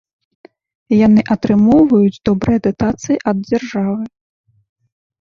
Яны атрымоўваюць добрыя датацыі ад дзяржавы.